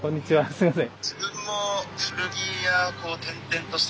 すみません。